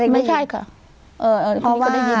ไม่ใช่ค่ะ